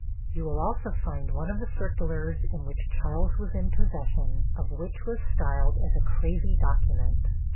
You will also find one of the circulars in which Charles was in possession of which was styled as a crazy document.